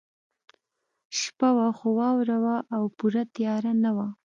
شپه شوه خو واوره وه او پوره تیاره نه وه